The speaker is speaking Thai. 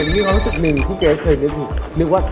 เห็นมีความรู้สึกหนึ่งที่เก๊สเคยนึกถึง